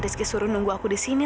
lebih banyak nunggu nunggu